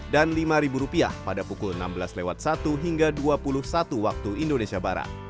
dan rp lima pada pukul enam belas satu hingga dua puluh satu waktu indonesia barat